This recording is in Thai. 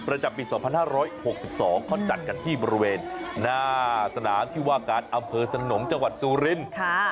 ประจำปีสองพันห้าร้อยหกสิบสองเขาจัดกันที่บริเวณหน้าสนามที่ว่ากาศอำเภอสนมจังหวัดซูรินค่ะ